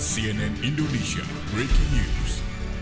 cnn indonesia breaking news